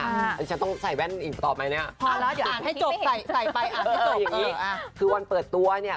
ตอนนี้ฉันต้องใส่แว่นอีกกว่าต่อไปเสร็จเลยนี่